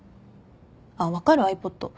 あっ分かる？ｉＰｏｄ。